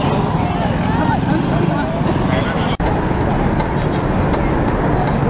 เมื่อเวลาอันดับสุดท้ายมันกลายเป็นภูมิที่สุดท้าย